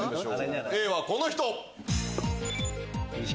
Ａはこの人！